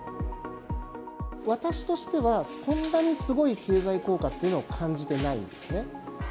私としては、そんなにすごい経済効果っていうのを感じてないですね。